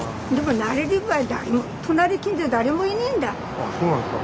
あっそうなんですか。